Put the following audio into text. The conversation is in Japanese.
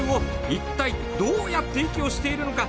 一体どうやって息をしているのか。